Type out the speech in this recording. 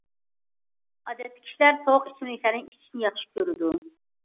ئادەتتە كىشىلەر سوغۇق ئىچىملىكلەرنى ئىچىشنى ياخشى كۆرىدۇ.